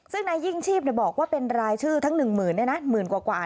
ซึ่งในยิ่งชีพบอกว่าเป็นรายชื่อทั้ง๑๐๐๐๐รายชื่อ